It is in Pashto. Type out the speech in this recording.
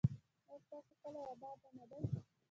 ایا ستاسو کلی اباد نه دی؟